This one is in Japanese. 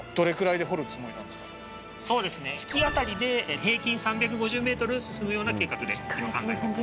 そうですね月あたりで平均３５０メートル進むような計画で考えてます。